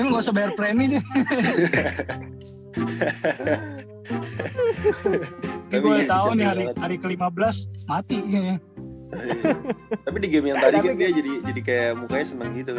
tapi gue tahu nih hari ke lima belas mati tapi di game yang tadi jadi jadi kayak mukanya seneng gitu